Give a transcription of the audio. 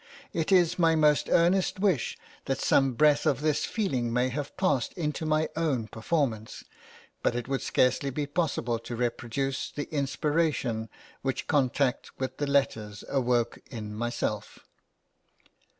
It is my most earnest wish that some breath of this feeling may have passed into my own performance, but it would scarcely be possible to' reproduce the inspiration which contact with the letters awoke in myself.